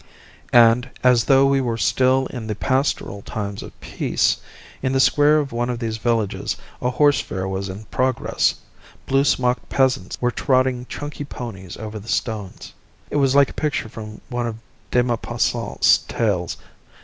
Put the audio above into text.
And, as though we were still in the pastoral times of peace, in the square of one of these villages a horse fair was in progress, blue smocked peasants were trotting chunky ponies over the stones. It was like a picture from one of De Maupassant's tales.